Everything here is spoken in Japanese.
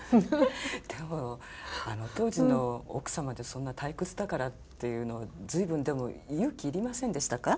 でも当時の奥様ってそんな退屈だからっていうの随分でも勇気いりませんでしたか？